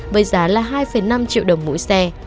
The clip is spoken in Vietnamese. với giá là hai năm triệu đồng mỗi xe